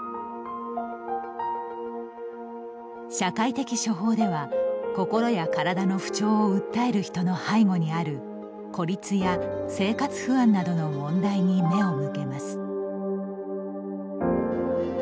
社会的処方では心や体の不調を訴える人の背後にある孤立や生活不安などの問題に目を向けます。